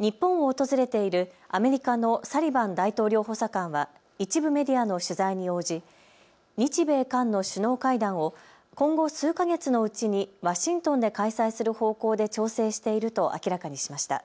日本を訪れているアメリカのサリバン大統領補佐官は一部メディアの取材に応じ日米韓の首脳会談を今後数か月のうちにワシントンで開催する方向で調整していると明らかにしました。